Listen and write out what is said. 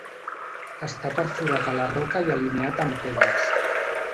Està perforat a la roca i alineat amb pedres.